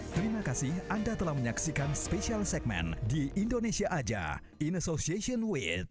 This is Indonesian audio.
terima kasih anda telah menyaksikan special segmen di indonesia aja in association with